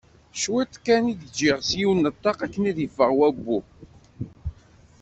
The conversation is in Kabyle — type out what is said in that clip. Cwiṭ kan i d-ǧǧiɣ seg yiwen n ṭṭaq akken ad yeffeɣ wabbu.